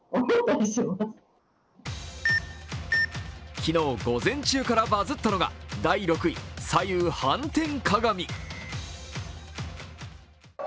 昨日、午前中からバズったのが第６位、左右反転鏡。